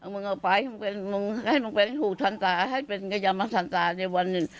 มึงเอาไปให้มึงเป็นหูทันตาให้มึงเป็นกระยำทันตาในวัน